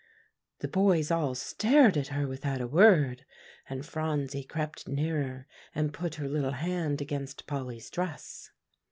The boys all stared at her without a word; and Phronsie crept nearer, and put her little hand against Polly's dress.